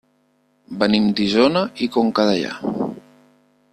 Venim d'Isona i Conca Dellà.